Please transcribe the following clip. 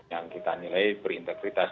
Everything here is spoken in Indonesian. yang kita nilai berintegritas